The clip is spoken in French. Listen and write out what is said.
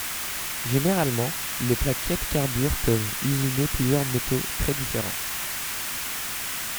Généralement, les plaquettes carbure peuvent usiner plusieurs métaux très différents.